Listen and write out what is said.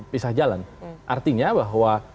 pisah jalan artinya bahwa